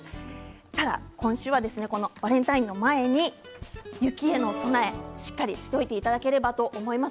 ただ今週は、バレンタインの前に雪への備えしっかりしておいていただければと思います。